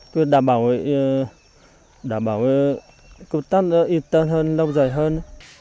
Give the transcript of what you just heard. tôi đảm bảo công tác y tế hơn lâu dài hơn